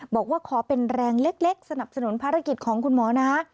บอกว่าขอเป็นแรงเล็กสนับสนุนภารกิจของคุณหมอนะ